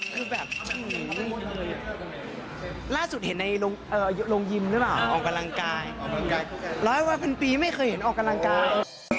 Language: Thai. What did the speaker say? คือแบบล่าสุดเห็นในโรงยิมหรือเปล่าออกกำลังกาย๑๐๐๐๐๐ปีไม่เคยเห็นออกกำลังกาย